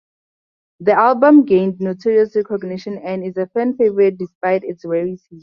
The album gained notorious recognition and is a fan favorite despite its rarity.